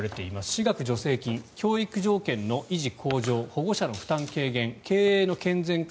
私学助成金教育条件の維持向上保護者の負担軽減経営の健全化